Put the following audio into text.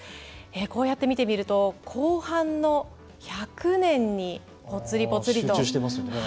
こうやって見てみると後半の１００年にぽつり、ぽつりと。